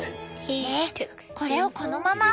えっこれをこのまま？